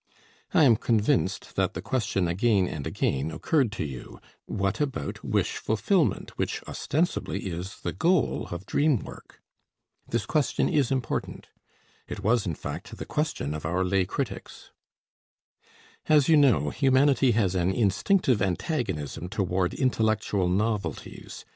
I am convinced that the question again and again occurred to you: "What about wish fulfillment, which ostensibly is the goal of dream work?" This question is important. It was, in fact, the question of our lay critics. As you know, humanity has an instinctive antagonism toward intellectual novelties.